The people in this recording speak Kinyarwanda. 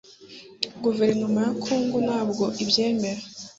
guverinoma ya Congo ntabwo ibyemera